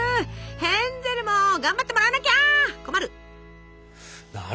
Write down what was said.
ヘンゼルも頑張ってもらわなきゃ困る！